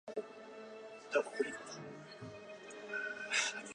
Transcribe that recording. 力量同时决定了人物负重上限。